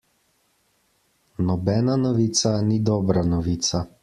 Nobena novica ni dobra novica.